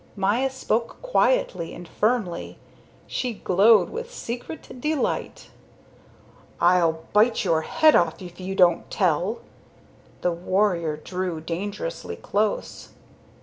Maya spoke quietly and firmly; she glowed with secret delight. "I'll bite your head off if you don't tell." The warrior drew dangerously close.